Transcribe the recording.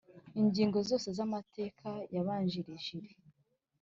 Ingingo zose z’amateka yabanjirije iri.